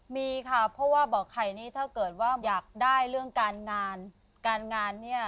มีค่ะเพราะว่าบ่อไข่นี้ถ้าเกิดว่าอยากได้เรื่องการงานการงานเนี่ย